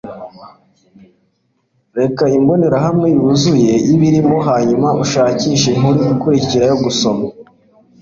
reba imbonerahamwe yuzuye yibirimo hanyuma ushakishe inkuru ikurikira yo gusoma